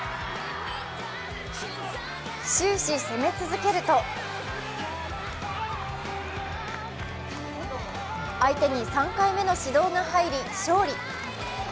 終始、攻め続けると相手に３回目の指導が入り、勝利。